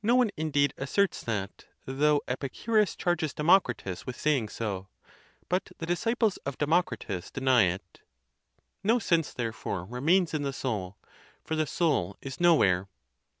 No one, in deed, asserts that; though Epicurus charges Democritus with saying so; but the disciples of Democritus deny it. No sense, therefore, remains in the soul; for the soul is nowhere.